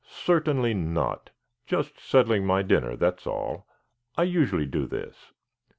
"Certainly not. Just settling my dinner, that's all. I usually do this.